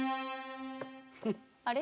あれ？